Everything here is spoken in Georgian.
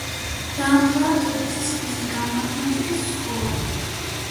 დაამთავრა თბილისის ფიზიკა-მათემატიკის სკოლა.